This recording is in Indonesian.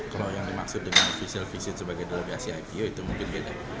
kalau yang dimaksud dengan official visit sebagai delegasi ipo itu mungkin beda